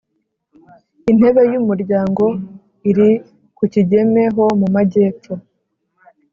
intebe y umuryango iri ku kigeme ho mu majyepfo